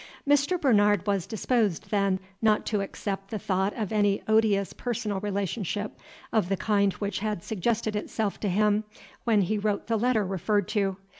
Mr. Bernard was disposed, then, not to accept the thought of any odious personal relationship of the kind which had suggested itself to him when he wrote the letter referred to.